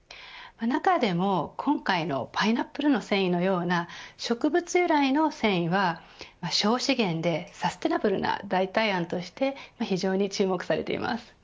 中でも今回のパイナップルの繊維のような植物由来の繊維は省資源でサステナブルな代替案として非常に注目されています。